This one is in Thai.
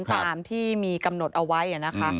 ตามที่มีกำหนดเอาไว้นะคะ